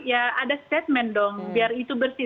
ya ada statement dong biar itu bersih